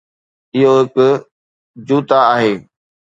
اهو هڪ جوتا آهي